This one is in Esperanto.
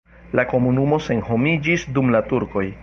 La komunumo senhomiĝis dum la turkoj.